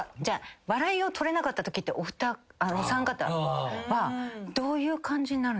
笑いを取れなかったときってお三方はどういう感じになるんですか？